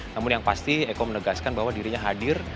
namun yang pasti eko menegaskan bahwa dirinya hadir